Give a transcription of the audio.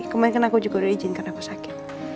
kemungkinan aku juga udah izin karena pasakit